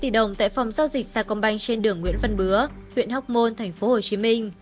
cướp ba tám tỷ đồng tại phòng giao dịch sa công banh trên đường nguyễn văn bứa huyện hóc môn tp hcm